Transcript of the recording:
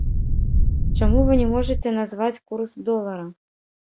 Чаму вы не можаце назваць курс долара?